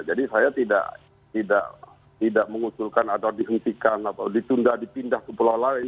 saya tidak mengusulkan atau dihentikan atau ditunda dipindah ke pulau lain